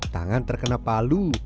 tangan terkena palu